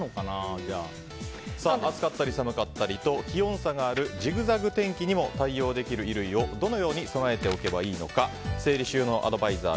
扱ったり寒かったりと気温差があるジグザグ天気に対応できる衣類をどのように備えておけばいいのか整理収納アドバイザー